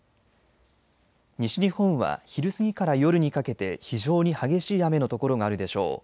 西日本は昼過ぎから夜にかけて非常に激しい雨の所があるでしょう。